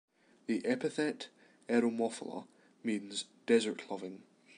The epithet "eremophila" means "desert-loving".